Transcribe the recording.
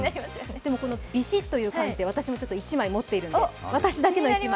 このビシっという感じで私も一枚持ってるので、私だけの一枚。